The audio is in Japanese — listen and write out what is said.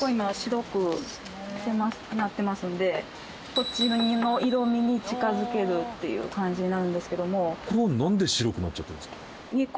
こっちの色味に近づけるっていう感じなんですけども。